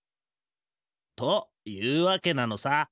というわけなのさ。